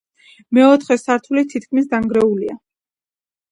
მეოთხე სართული თითქმის დანგრეულია.